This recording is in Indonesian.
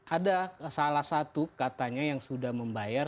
ada salah satu katanya yang sudah membayar